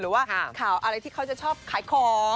หรือว่าข่าวอะไรที่เขาจะชอบขายของ